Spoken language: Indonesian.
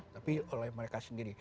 tapi oleh mereka sendiri